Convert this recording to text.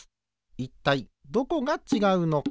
いったいどこがちがうのか。